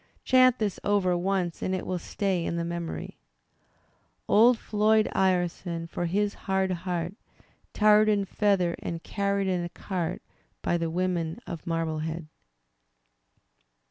Chant this over once audit will stay in the memory: Old Floyd Ireson, for his hard heart. Tarred and feathered and carried in a cart By the women of Marblehead.